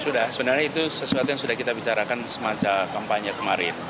sudah sebenarnya itu sesuatu yang sudah kita bicarakan semacam kampanye kemarin